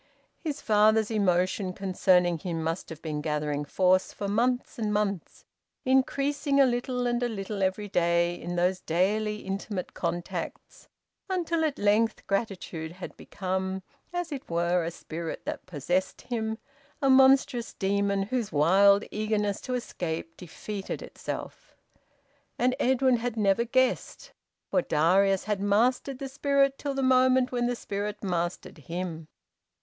His father's emotion concerning him must have been gathering force for months and months, increasing a little and a little every day in those daily, intimate contacts, until at length gratitude had become, as it were, a spirit that possessed him, a monstrous demon whose wild eagerness to escape defeated itself. And Edwin had never guessed, for Darius had mastered the spirit till the moment when the spirit mastered him.